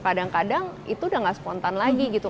kadang kadang itu udah gak spontan lagi gitu